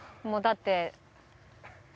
もうだって。